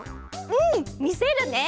うんみせるね。